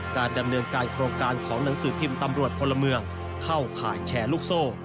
การดำเนินการโครงการของหนังสือพิมพ์ตำรวจพลเมืองเข้าข่ายแชร์ลูกโซ่